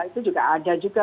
itu juga ada juga